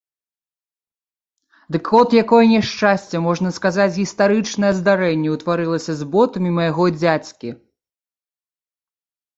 Дык от якое няшчасце, можна сказаць, гістарычнае здарэнне ўтварылася з ботамі майго дзядзькі.